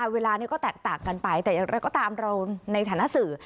เวลาก็แตกต่างกันไปแต่เราก็ตามเราในฐานะสื่อ